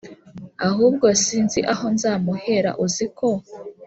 ahubwo sinzi aho nzamuhera uziko